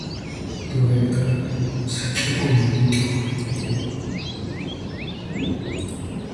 Turayqa sach'akuna wit'uq.